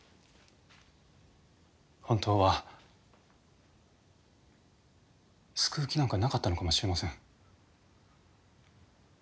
本当は救う気なんかなかったのかもしれません。